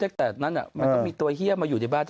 แต่ตั้งแต่นั้นมันก็มีตัวเหี้ยมาอยู่ในบ้านเธอนะครับ